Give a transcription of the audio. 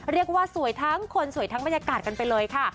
เรียกว่าสวยทั้งคนสวยทั้งบรรยากาศกันไปเลยค่ะ